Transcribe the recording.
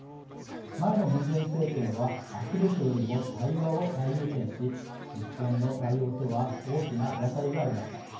前のムン・ジェイン政権は圧力よりも対話を最優先し日本の対応とは大きな隔たりがありました。